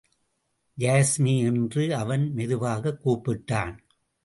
யாஸ்மி என்று அவன் மெதுவாகக் கூப்பிட்டான்.